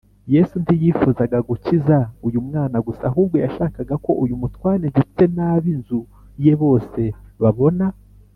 Yesu ntiyifuzaga gukiza uyu mwana gusa, ahubwo yashakaga ko uyu mutware ndetse n’ab’inzu ye bose babona